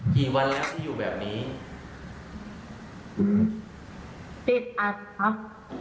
กี่วันแล้วที่อยู่แบบนี้ติดอัดครับ